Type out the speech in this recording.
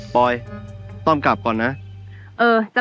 แบบนี้ก็ได้